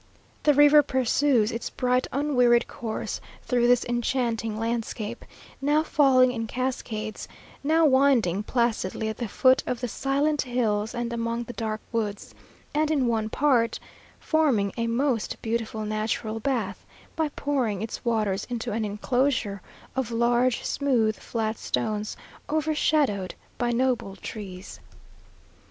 The river pursues its bright unwearied course through this enchanting landscape, now falling in cascades, now winding placidly at the foot of the silent hills and among the dark woods, and in one part forming a most beautiful natural bath, by pouring its waters into an enclosure of large, smooth, flat stones, overshadowed by noble trees.